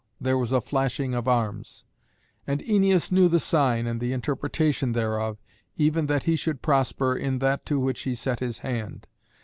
there was a flashing of arms. And Æneas knew the sign and the intepretation thereof, even that he should prosper in that to which he set his hand.